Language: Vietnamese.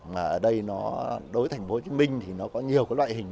mà ở đây nó đối với tp hcm thì nó có nhiều loại hình